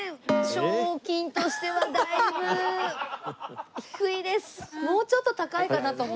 賞金としてはだいぶ低いです。